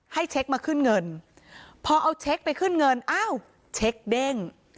ให้เช็คมาขึ้นเงินพอเอาเช็คไปขึ้นเงินอ้าวเช็คเด้ง